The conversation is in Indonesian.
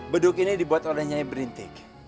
beduk ini dibuat oleh nyanyi berintik